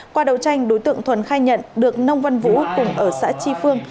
qua đầu tranh đối tượng thuần khai nhận được nông văn vũ cùng ở xã chi phương